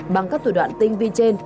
bằng các thủ đoạn tin vi trên